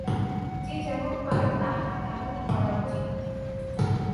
যে যেমন পারে, তাহার তেমন করা উচিত।